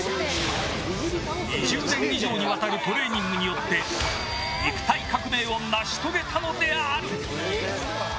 ２０年以上にわたるトレーニングによって肉体革命を成し遂げたのである。